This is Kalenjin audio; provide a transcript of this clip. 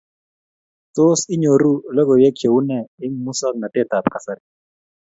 Tos, inyooru logoiyweek cheu nee eng musoknatetab kasari.